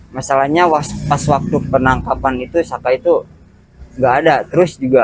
masalahnya pas waktu penangkapan itu saka itu nggak ada terus juga